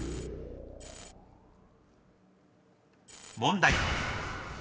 ［問題］